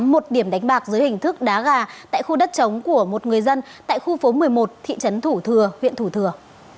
một điểm đánh bạc dưới hình thức đá gà tại khu đất chống của một người dân tại khu phố một mươi một thị trấn thủ thừa huyện thủ thừa